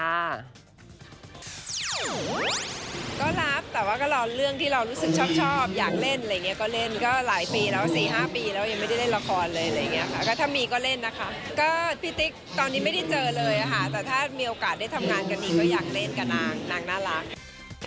น้างน่ารัก